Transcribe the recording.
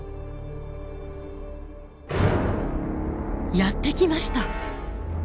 やってきました。